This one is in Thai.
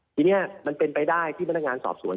ทีนี้มันเป็นไปได้ที่พนักงานสอบสวน